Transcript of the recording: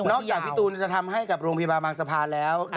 จากพี่ตูนจะทำให้กับโรงพยาบาลบางสะพานแล้ว